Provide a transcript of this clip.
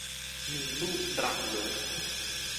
มีลูกรังเยอะ